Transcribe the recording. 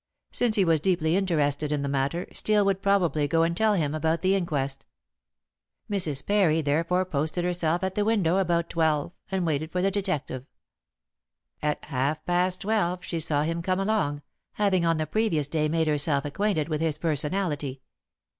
Since he was deeply interested in the matter, Steel would probably go and tell him about the inquest. Mrs. Parry therefore posted herself at the window about twelve and waited for the detective. At half past twelve she saw him come along, having on the previous day made herself acquainted with his personality.